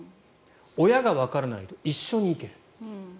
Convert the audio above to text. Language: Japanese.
親がわからないと一緒に行ける。